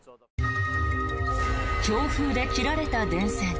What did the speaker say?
強風で切られた電線。